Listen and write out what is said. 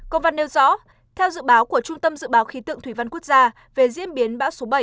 công văn nêu rõ theo dự báo của trung tâm dự báo khí tượng thủy văn quốc gia về diễn biến bão số bảy